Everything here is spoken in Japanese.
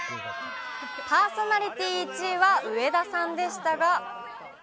パーソナリティー１位は上田さんでしたが。